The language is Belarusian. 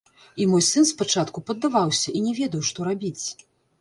І мой сын спачатку паддаваўся і не ведаў, што рабіць.